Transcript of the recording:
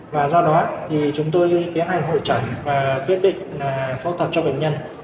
và do đó thì chúng tôi kế hoạch hội chẩn và quyết định phẫu thuật cho bệnh nhân